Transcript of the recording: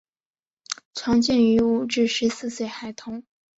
常见于五至十四岁孩童。